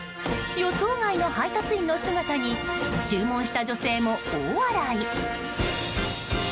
予想外の配達員の姿に注文した女性も大笑い。